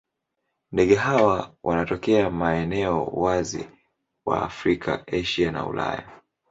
Ndege hawa wanatokea maeneo wazi wa Afrika, Asia na Ulaya.